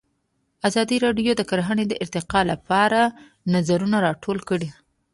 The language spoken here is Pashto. ازادي راډیو د کرهنه د ارتقا لپاره نظرونه راټول کړي.